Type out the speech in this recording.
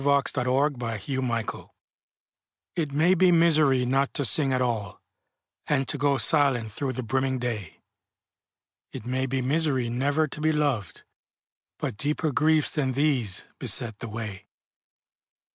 Paul Laurence Dunbar Life's Tragedy IT may be misery not to sing at all, And to go silent through the brimming day; It may be misery never to be loved, But deeper griefs than these beset the way.